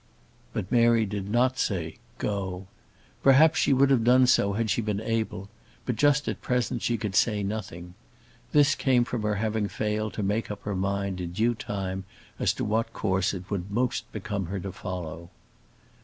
But Mary did not say "Go." Perhaps she would have done so had she been able; but just at present she could say nothing. This came from her having failed to make up her mind in due time as to what course it would best become her to follow.